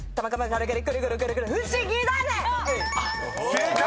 ［正解！